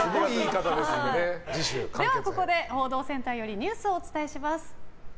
ではここで報道センターよりニュースをお伝えします。